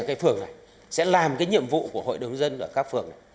ở cái phường này sẽ làm cái nhiệm vụ của hội đồng nhân ở các phường này